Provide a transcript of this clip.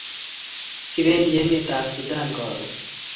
kipendi emet ab sudan karun